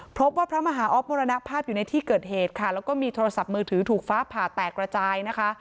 พระมหาออฟมรณภาพอยู่ในที่เกิดเหตุค่ะแล้วก็มีโทรศัพท์มือถือถูกฟ้าผ่าแตกระจายนะคะ